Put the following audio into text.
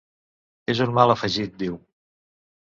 És un mal afegit, diu.